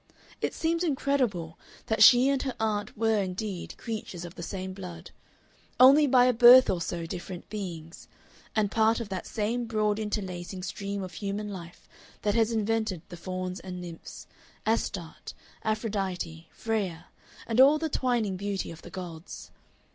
It seemed incredible that she and her aunt were, indeed, creatures of the same blood, only by a birth or so different beings, and part of that same broad interlacing stream of human life that has invented the fauns and nymphs, Astarte, Aphrodite, Freya, and all the twining beauty of the gods.